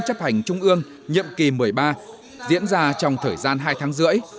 chấp hành trung ương nhiệm kỳ một mươi ba diễn ra trong thời gian hai tháng rưỡi